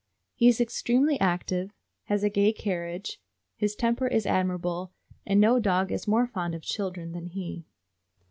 He is extremely active, has a gay carriage, his temper is admirable, and no dog is more fond of children than he.